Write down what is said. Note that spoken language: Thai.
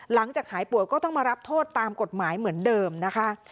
หลังจากหายป่วยก็ต้องมารับโทษตามกฎหมายเหมือนเดิมนะคะ